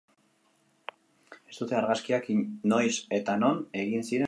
Ez dute argazkiak noiz eta non egin ziren zehaztu.